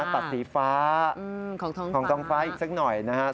ตัดสีฟ้าของท้องฟ้าอีกสักหน่อยนะครับ